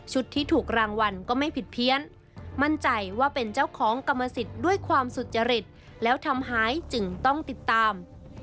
ที่ถูกรางวัลก็ไม่ผิดเพี้ยนมั่นใจว่าเป็นเจ้าของกรรมสิทธิ์ด้วยความสุจริตแล้วทำหายจึงต้องติดตาม